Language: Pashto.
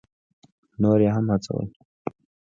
نور یې هم هڅول.